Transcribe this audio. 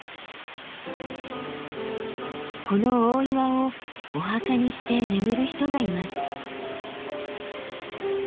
この大岩をお墓にして眠る人がいます。